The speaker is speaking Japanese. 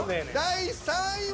第３位は？